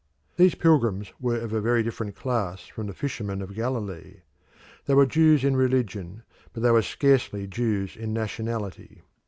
These pilgrims were of a very different class from the fishermen of Galilee. They were Jews in religion but they were scarcely Jews in nationality.